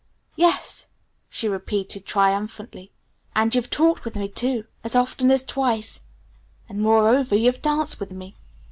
"Yes," she repeated triumphantly. "And you've talked with me too, as often as twice! And moreover you've danced with me!"